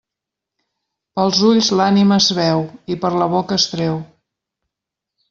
Pels ulls l'ànima es veu, i per la boca es treu.